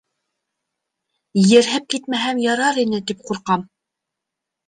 Ерһеп китмәһәм ярар ине тип ҡурҡам.